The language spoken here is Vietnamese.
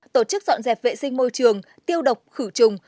tổ chức dọn dẹp vệ sinh môi trường tiêu độc khử trùng